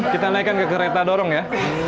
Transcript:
kita naikkan ke kereta dorong ya